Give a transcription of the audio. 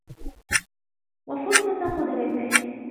وَفُرْصَةَ قُدْرَتِهِ